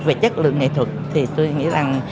về chất lượng nghệ thuật thì tôi nghĩ rằng